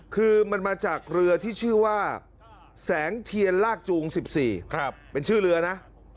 คือมันมาจากเรือที่ชื่อว่าแสงเทียนลากจูง๑๔เป็นชื่อเรือนะ